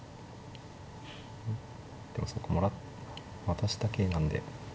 でもそうか渡した桂なんで。